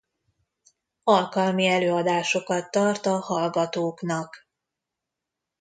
Alkalmi előadásokat tart a hallgatóknak.